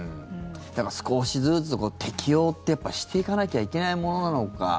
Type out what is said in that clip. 少しずつ適応ってしていかなきゃいけないものなのか。